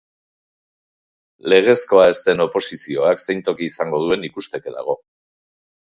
Legezkoa ez den oposizioak zein toki izango duen ikusteke dago.